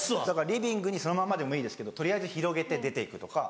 リビングにそのままでもいいですけど取りあえず広げて出て行くとか。